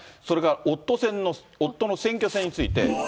それから夫の選挙戦について。